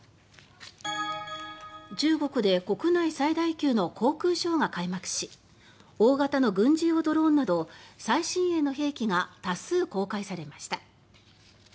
中国で国内最大級の航空ショーが開幕し大型の軍事用ドローンなど最新鋭の兵器が多数公開されました。